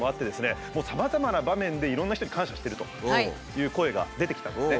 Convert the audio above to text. もうさまざまな場面でいろんな人に感謝しているという声が出てきたんですね。